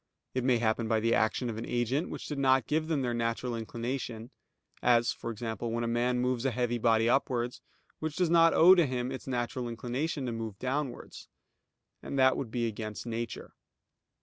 It may happen by the action of an agent which did not give them their natural inclination; as, for example, when a man moves a heavy body upwards, which does not owe to him its natural inclination to move downwards; and that would be against nature.